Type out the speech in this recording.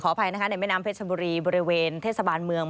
อภัยนะคะในแม่น้ำเพชรบุรีบริเวณเทศบาลเมือง